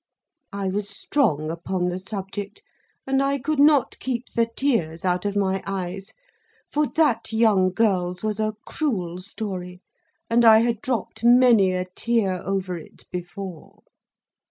I was strong upon the subject, and I could not keep the tears out of my eyes; for, that young girl's was a cruel story, and I had dropped many a tear over it before.